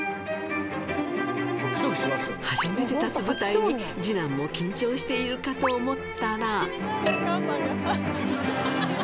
初めて立つ舞台に二男も緊張しているかと思ったら